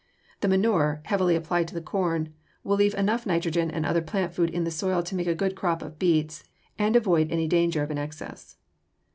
The manure, heavily applied to the corn, will leave enough nitrogen and other plant food in the soil to make a good crop of beets and avoid any danger of an excess.